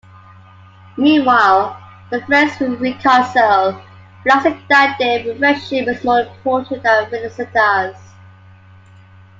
Meanwhile, the friends reconcile, realizing that their friendship is more important than Felicitas.